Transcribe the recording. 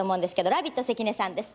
ラビット関根さんです。